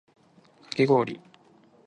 かき氷